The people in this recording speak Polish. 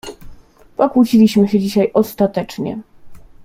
"Pokłóciliśmy się dzisiaj ostatecznie."